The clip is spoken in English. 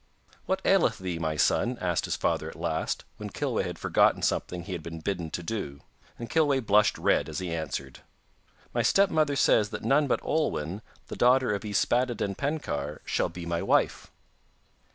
'What aileth thee, my son?' asked his father at last, when Kilweh had forgotten something he had been bidden to do, and Kilweh blushed red as he answered: 'My stepmother says that none but Olwen, the daughter of Yspaddaden Penkawr, shall be my wife.